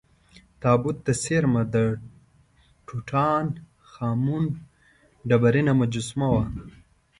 تابوت ته څېرمه د ټوټا ن خا مون ډبرینه مجسمه وه.